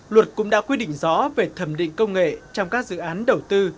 luật cũng đã quy định rõ về thẩm định công nghệ trong các dự án đầu tư